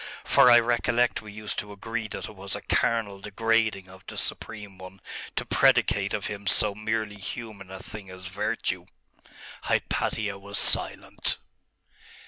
For I recollect we used to agree that it was a carnal degrading of the Supreme One to predicate of Him so merely human a thing as virtue.' Hypatia was silent.